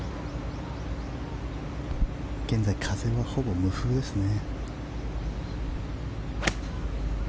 現在風はほぼ無風ですね。